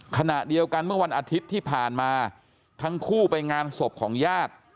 ขณะเดียวกันเมื่อวันอาทิตย์ที่ผ่านมาทั้งคู่ไปงานศพของญาติ